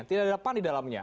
tidak ada pan di dalamnya